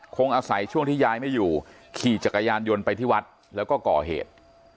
คงอาศัยช่วงที่ยายไม่อยู่ขี่จักรยานยนต์ไปที่วัดแล้วก็ก่อเหตุ